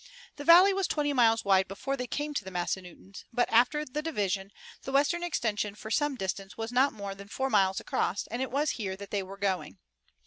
The valley was twenty miles wide before they came to the Massanuttons, but after the division the western extension for some distance was not more than four miles across, and it was here that they were going.